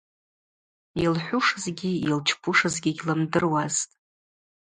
Йылхӏвушызгьи йылчпушызгьи гьлымдыруазтӏ.